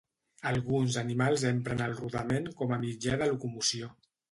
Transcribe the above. Alguns animals empren el rodament com a mitjà de locomoció.